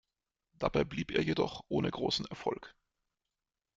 Dabei blieb er jedoch ohne großen Erfolg.